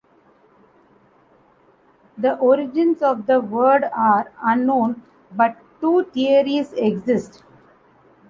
The origins of the word are unknown but two theories exist.